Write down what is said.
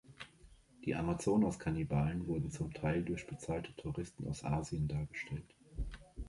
Die Amazonas-Kannibalen wurden zum Teil durch bezahlte Touristen aus Asien dargestellt.